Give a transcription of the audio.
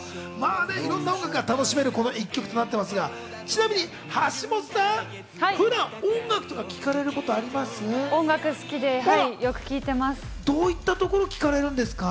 色んな音楽が楽しめるこの一曲となってますが、ちなみに橋本さん、普段、音楽とか聴かれたりすることあるんですか？